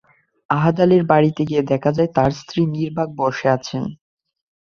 আহাদ আলীর বাড়িতে গিয়ে দেখা যায়, তাঁর স্ত্রী নির্বাক বসে আছেন।